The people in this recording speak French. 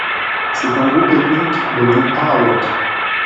C'est un groupe ethnique de langue Arawak.